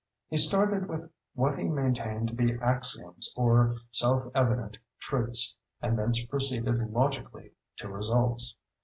He started with what he maintained to be axioms or "self evident truths," and thence proceeded "logically" to results.